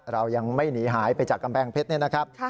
เรายังไม่หนีหายไปจากกำแพงเพชรเนี่ยนะครับ